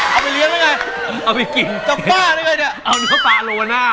เอาไปเลี้ยงแล้วไงเอาไปกินเอาเนื้อปลาลงมาหน้า